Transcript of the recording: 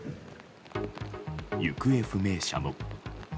行方不明者も。